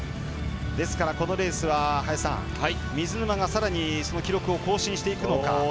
ですからこのレースは、水沼がさらにその記録を更新していくのか。